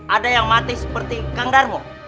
ada yang mati seperti kang darmo